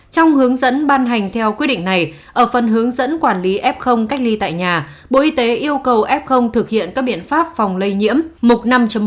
trong hướng dẫn ban hành theo quyết định này ở phần hướng dẫn quản lý f cách ly tại nhà bộ y tế yêu cầu f thực hiện các biện pháp phòng lây nhiễm mục năm một